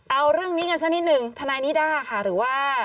เอาเรื่องนี้กันสักนิดหนึ่งทนายนิด้าค่ะหรือว่า